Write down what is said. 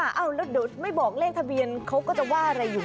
เอ้าแล้วเดี๋ยวไม่บอกเลขทะเบียนเขาก็จะว่าอะไรอยู่